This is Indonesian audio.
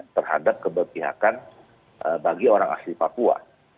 terhadap keberpihakan bagi orang asli papua